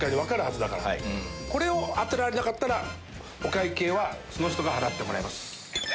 これを当てられなかったらお会計は払ってもらいます。